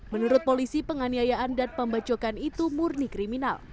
menurut polisi penganiayaan dan pembacokan itu murni kriminal